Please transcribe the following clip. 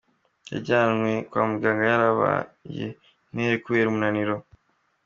Yajyanywe kwa muganga yarabaye intere kubera umunaniro.